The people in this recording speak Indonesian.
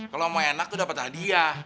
kalau mau enak tuh dapat hadiah